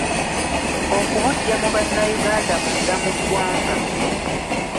Okubuggya mu bannayuganda munda mu ggwanga.